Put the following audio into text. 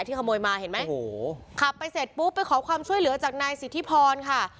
ขันมที่ถ้าขโมยมาเห็นมั้ยขับไปเสร็จปุ๊บ